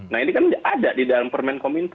nah ini kan ada di dalam permen kominfo